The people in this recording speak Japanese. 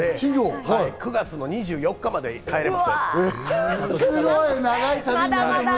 ９月の２４日まで帰れません。